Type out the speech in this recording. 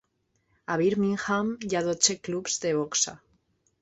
A Birmingham hi ha dotze clubs de boxa.